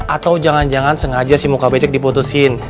atau jangan jangan sengaja si muka becek diputusin